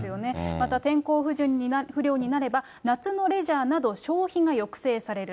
また天候不良になれば、夏のレジャーなど消費が抑制される。